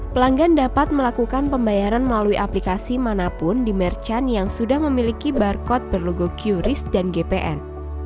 pelanggan dapat melakukan pembayaran melalui aplikasi manapun di merchant yang sudah memiliki barcode berlogo qris dan gpn